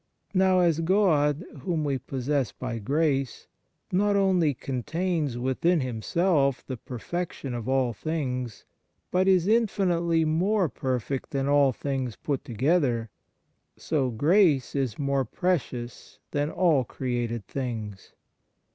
Now, as God, whom we possess by grace, not only contains within Himself the perfec tion of all things, but is infinitely more perfect than all things put together, so grace is more precious than all created things.